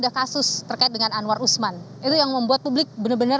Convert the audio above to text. ada kasus terkait dengan anwar usman itu yang membuat publik benar benar